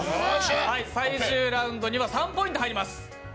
最終ラウンドには３ポイント入ります。